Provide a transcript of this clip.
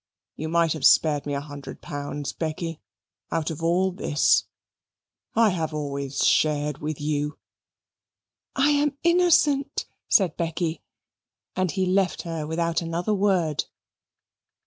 You might have spared me a hundred pounds, Becky, out of all this I have always shared with you." "I am innocent," said Becky. And he left her without another word.